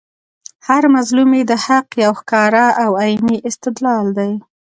هر مظلوم ئې د حق یو ښکاره او عیني استدلال دئ